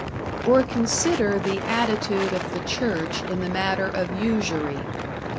Or consider the attitude of the Church in the matter of usury.